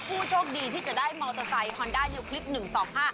ผู้โชคดีที่จะได้มอเตอร์ไซค์ฮอนดานิวคลิป๑๒๕